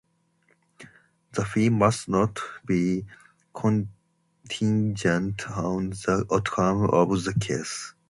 The fee must not be contingent on the outcome of the case.